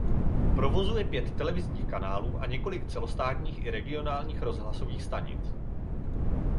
Provozuje pět televizních kanálů a několik celostátních i regionálních rozhlasových stanic.